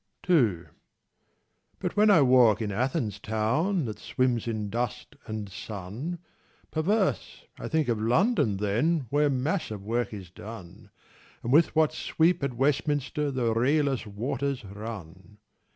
176 11 But when I walk in Athens town That swims in dust and sun Perverse, I think of London then Where massive work is done, And with what sweep at Westminster The rayless waters run.